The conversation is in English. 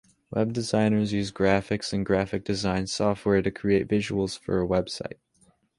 Web designers use graphics and graphic design software to create visuals for a website.